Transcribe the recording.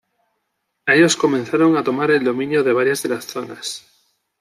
Ellos comenzaron a tomar el dominio de varias de las zonas.